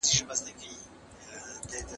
هغه څېړونکی چي زړور وي حقیقت په اسانۍ مومي.